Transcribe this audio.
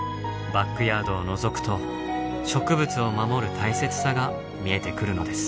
バックヤードをのぞくと植物を守る大切さが見えてくるのです。